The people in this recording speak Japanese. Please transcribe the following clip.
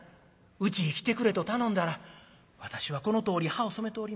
うちへ来てくれと頼んだら『私はこのとおり歯を染めております。